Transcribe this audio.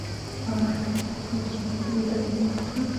هغې د تاوده اوازونو ترڅنګ د زړونو ټپونه آرام کړل.